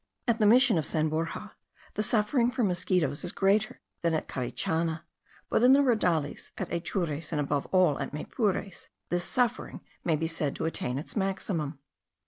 At the mission of San Borja, the suffering from mosquitos is greater than at Carichana; but in the Raudales, at Atures, and above all at Maypures, this suffering may be said to attain its maximum.